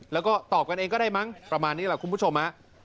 แล้วก็ตอบกันเองก็ได้มั้งประมาณนี้แหละคุณผู้ชมฮะ